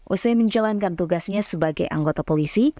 usai menjalankan tugasnya sebagai anggota polisi